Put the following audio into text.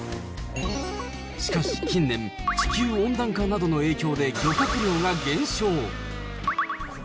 しかし近年、地球温暖化などの影響で、漁獲量が減少。